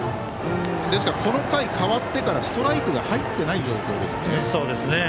この回、ストライクが入っていない状況です。